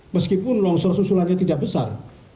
meskipun longsor susulannya tidak besar